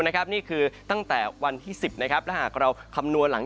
นี่คือตั้งแต่วันที่๑๐นะครับและหากเราคำนวณหลัง